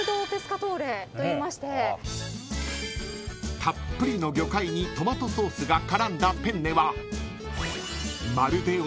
［たっぷりの魚介にトマトソースが絡んだペンネは］